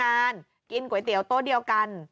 การจ์กร่านกินก๋วยเตี๋ยวโต้เดียวกัน